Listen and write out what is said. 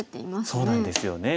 そうなんですよね。